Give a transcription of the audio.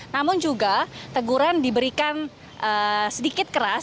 namun juga teguran diberikan sedikit keras